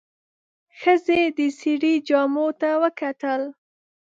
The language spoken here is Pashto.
ښځې د سړي جامو ته وکتل.